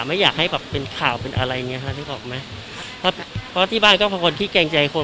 ไม่อยากให้แบบเป็นข่าวเป็นอะไรอย่างนี้ครับที่บ้านก็เพราะคนที่แกล้งใจคน